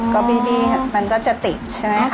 ก็บีบีมันก็จะติดใช่ไหม